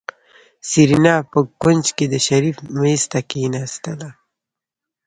سېرېنا په کونج کې د شريف مېز ته کېناستله.